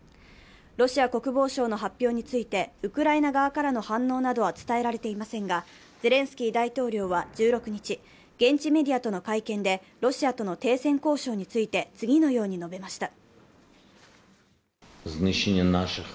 ロシア国防省の発表についてウクライナ側からの反応などは伝えられていませんがゼレンスキー大統領は１６日、現地メディアとの会見でロシアとの停戦交渉について次のように述べました。